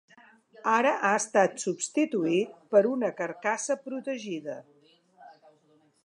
Ara ha estat substituït per una carcassa protegida.